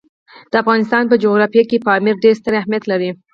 د افغانستان په جغرافیه کې پامیر ډېر ستر اهمیت لري.